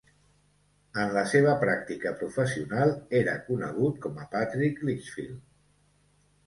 En la seva pràctica professional era conegut com a Patrick Lichfield.